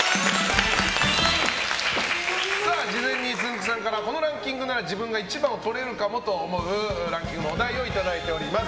事前につんく♂さんからこのランキングなら１番をとれるかもと思うランキングのお題をいただいております。